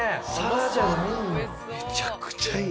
めちゃくちゃいい。